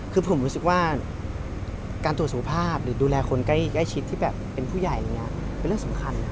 คือผมรู้สึกว่าการตรวจสุขภาพหรือดูแลคนใกล้ชิดที่เป็นผู้ใหญ่เป็นเรื่องสำคัญ